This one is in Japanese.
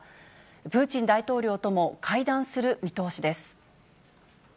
プーチン大統領とも会談する見通しです。